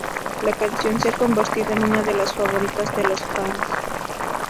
La canción se ha convertido en una de las favoritas de los fans.